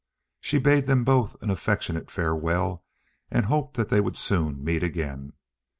She bade them both an affectionate farewell, and hoped that they would soon meet again.